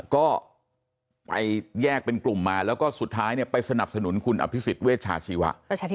ก็ไปแยกเป็นกลุ่มมาแล้วก็สุดท้ายไปสนับสนุนคุณอภิษฎเวชาชีวะ